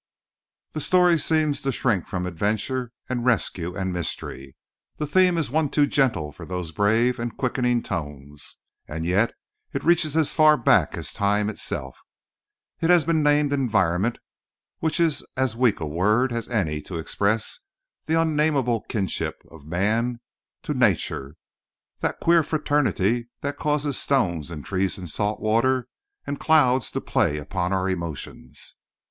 The story seems to shrink from adventure and rescue and mystery. The theme is one too gentle for those brave and quickening tones. And yet it reaches as far back as time itself. It has been named "environment," which is as weak a word as any to express the unnameable kinship of man to nature, that queer fraternity that causes stones and trees and salt water and clouds to play upon our emotions.